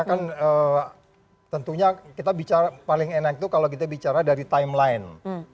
karena kan tentunya kita bicara paling enak itu kalau kita bicara dari timeline